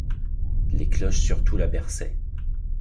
Les cloches surtout la berçaient.